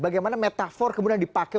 bagaimana metafor kemudian dipakai